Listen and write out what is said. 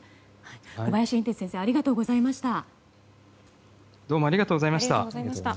小林寅てつ先生ありがとうございました。